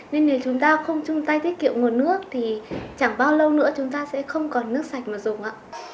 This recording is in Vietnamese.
nên nếu chúng ta không chung tay tiết kiệm nguồn nước thì chẳng bao lâu nữa chúng ta sẽ không còn nước sạch mà dùng ạ